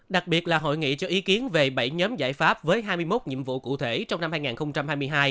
đặc biệt là hội nghị cho ý kiến về bảy nhóm giải pháp với hai mươi một nhiệm vụ cụ thể trong năm hai nghìn hai mươi hai